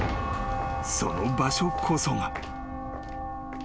［その場所こそが］